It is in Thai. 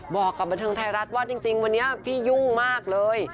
บอกกับบันเทิงไทยรัฐว่าจริงวันนี้พี่ยุ่งมากเลย